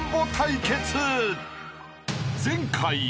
［前回］